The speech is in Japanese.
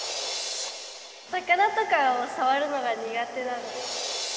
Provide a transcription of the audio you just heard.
魚とかをさわるのが苦手なので。